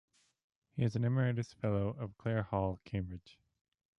He is an Emeritus Fellow of Clare Hall, Cambridge.